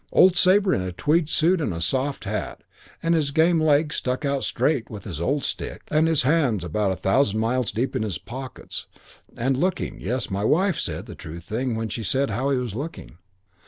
Old Sabre in a tweed suit and a soft hat, and his game leg stuck out straight, and his old stick, and his hands about a thousand miles deep in his pockets, and looking yes, my wife said the true thing when she said how he was looking.